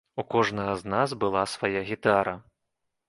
У кожнага з нас была свая гітара.